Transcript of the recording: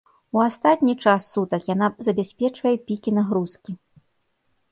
У астатні час сутак яна забяспечвае пікі нагрузкі.